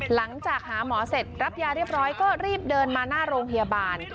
หลังจากหาหมอเสร็จรับยาเรียบร้อยก็รีบเดินมาหน้าโรงพยาบาล